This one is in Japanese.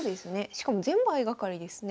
しかも全部相掛かりですね。